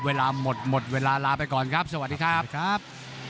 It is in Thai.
เวลาหมดหมดเวลาลาไปก่อนครับสวัสดีครับครับ